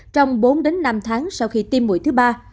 trong bốn đến năm tháng sau khi tiêm mũi thứ ba